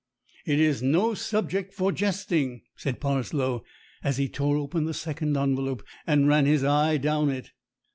"It is no subject for jesting," said Parslow, as he tore open the second envelope and ran his eye down it.